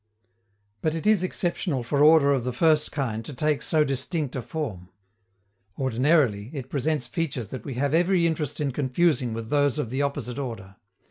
But it is exceptional for order of the first kind to take so distinct a form. Ordinarily, it presents features that we have every interest in confusing with those of the opposite order.